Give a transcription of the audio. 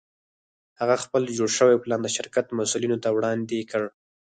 هغه خپل جوړ شوی پلان د شرکت مسوولینو ته وړاندې کړ